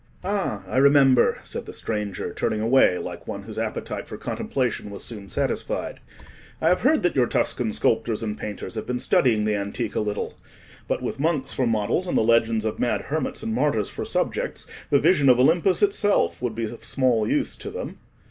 "Ah, I remember," said the stranger, turning away, like one whose appetite for contemplation was soon satisfied. "I have heard that your Tuscan sculptors and painters have been studying the antique a little. But with monks for models, and the legends of mad hermits and martyrs for subjects, the vision of Olympus itself would be of small use to them."